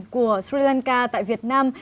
của sri lanka tại việt nam